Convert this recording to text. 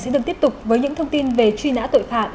xin được tiếp tục với những thông tin về truy nã tội phạm